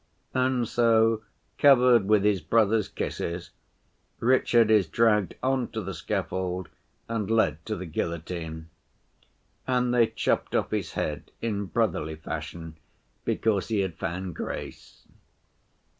And so, covered with his brothers' kisses, Richard is dragged on to the scaffold, and led to the guillotine. And they chopped off his head in brotherly fashion, because he had found grace.